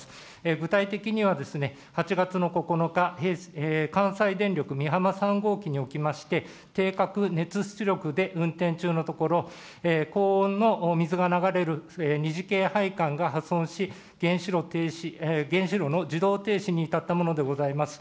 具体的には８月の９日、関西電力美浜３号機におきまして、定格熱出力で運転中のところ、高温の水が流れる二次系配管が破損し、原子炉の自動停止に至ったものでございます。